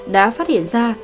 đã phát hiện ra